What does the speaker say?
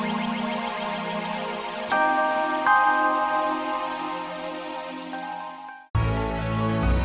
amira ibu sakit